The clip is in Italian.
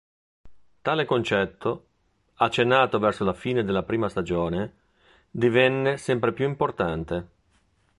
Tale concetto, accennato verso la fine della prima stagione, diviene sempre più importante.